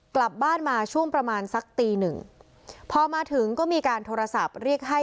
กลับบ้านมาช่วงประมาณสักตีหนึ่งพอมาถึงก็มีการโทรศัพท์เรียกให้